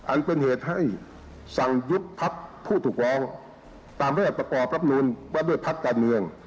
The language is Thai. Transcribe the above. อันเป็นเหตุให้สั่งยุบพักผู้ถูกร้องตามแรกประกอบรับนูลว่าด้วยพักการเมือง